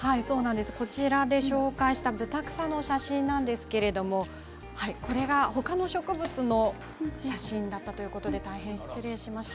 こちらで紹介したブタクサの写真なんですがほかの植物の写真だったということで大変失礼しました。